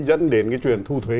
dẫn đến cái chuyện thu thuế